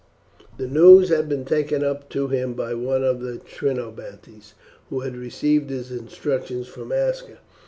The news had been taken to him by one of the Trinobantes, who had received his instructions from Aska.